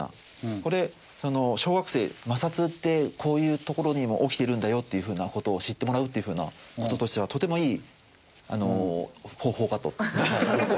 これ小学生摩擦ってこういうところにも起きてるんだよっていうふうな事を知ってもらうっていうふうな事としてはとてもいい方法かと。